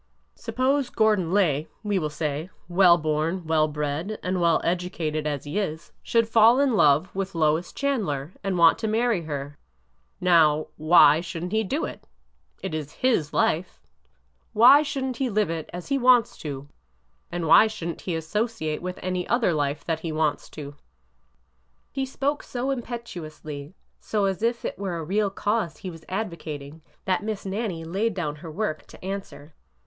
Suppose Gordon Lay, we will say, well born, well bred, and well educated as he is, should fall in love with Lois Chandler and want to marry her. Now,— should n't he do it? ... It is his life! ... Why should n't he live it as he wants to ? and why should n't he associate with it any other life that he wants to ?" He spoke so impetuously, so as if it were a real cause he was advocating, that Miss Nannie laid down her work to answer.